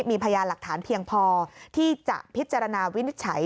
มีพยานหลักฐานเพียงพอที่จะพิจารณาวินิจฉัย